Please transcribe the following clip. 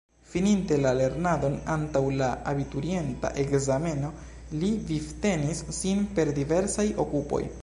Fininte la lernadon antaŭ la abiturienta ekzameno, li vivtenis sin per diversaj okupoj.